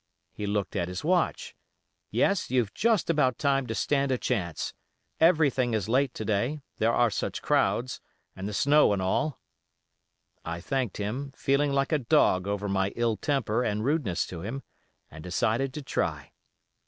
He looked at his watch: 'Yes, you've just about time to stand a chance; everything is late to day, there are such crowds, and the snow and all.' I thanked him, feeling like a dog over my ill temper and rudeness to him, and decided to try.